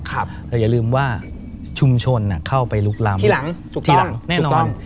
และอย่าลืมว่าชุมชนเข้าไปลุกลำไนิดหนึ่งที่หลังถูกต้อง